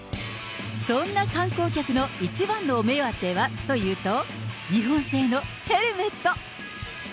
そんな観光客の一番のお目当てはというと、日本製のヘルメット。